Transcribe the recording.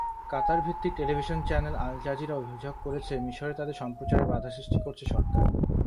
কাতারভিত্তিক television channel Al Jazeera অভিযোগ করেছে, মিসরে তাদের সম্প্রচারে বাধা সৃষ্টি করছে সরকার।